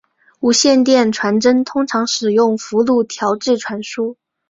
无线电传真通常使用幅度调制传输。